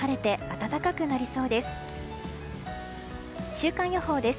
週間予報です。